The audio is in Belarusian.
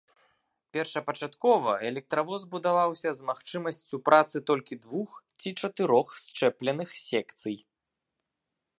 Першапачаткова электравоз будаваўся з магчымасцю працы толькі двух ці чатырох счэпленых секцый.